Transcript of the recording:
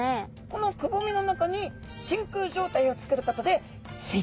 このくぼみの中に真空状態をつくることです